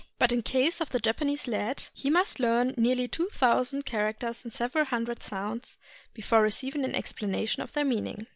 But in the case of the Japanese lad, he must learn nearly two thousand characters and several hundred sounds, before receiving an explanation of their meaning.